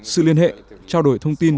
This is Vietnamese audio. sự liên hệ trao đổi thông tin